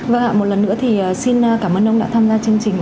và một lần nữa thì xin cảm ơn ông đã tham gia chương trình